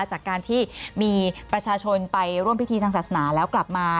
จากการที่มีประชาชนไปร่วมพิธีทางศาสนาแล้วกลับมา